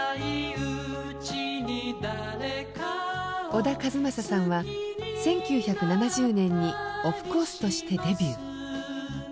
小田和正さんは１９７０年にオフコースとしてデビュー。